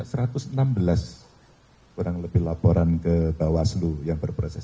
kurang lebih laporan ke bawaslu yang berproses